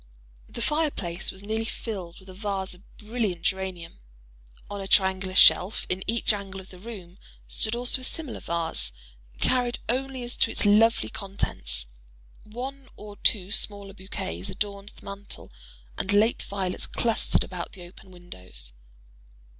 The fire place was nearly filled with a vase of brilliant geranium. On a triangular shelf in each angle of the room stood also a similar vase, varied only as to its lovely contents. One or two smaller bouquets adorned the mantel, and late violets clustered about the open windows.